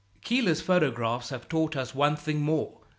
Keeler's photographs have taught us one thing more.